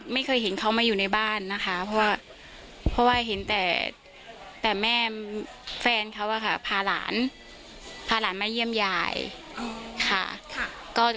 ไม่เคยเห็นเขามาอยู่ในบ้านนะคะเพราะว่าเห็นแต่แม่แฟนเขาอะค่ะพาหลานพาหลานมาเยี่ยมยายค่ะ